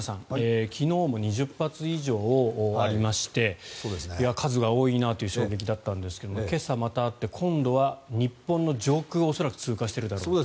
昨日も２０発以上ありまして数が多いなという衝撃だったんですが今朝、またあって今度は日本の上空を恐らく通過しているだろうと。